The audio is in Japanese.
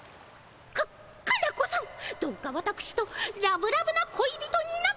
カカナ子さんどうかわたくしとラブラブな恋人になってくださいませ。